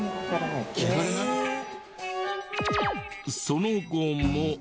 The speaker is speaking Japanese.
その後も。